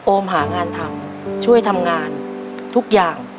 มหางานทำช่วยทำงานทุกอย่าง